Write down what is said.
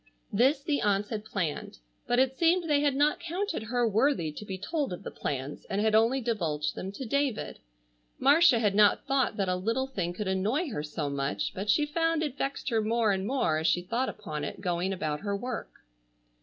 This the aunts had planned: but it seemed they had not counted her worthy to be told of the plans, and had only divulged them to David. Marcia had not thought that a little thing could annoy her so much, but she found it vexed her more and more as she thought upon it going about her work.